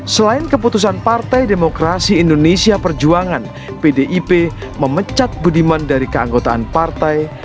selain keputusan partai demokrasi indonesia perjuangan pdip memecat budiman dari keanggotaan partai